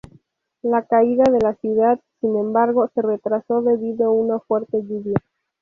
La caída de la ciudad, sin embargo, se retrasó debido a una fuerte lluvia.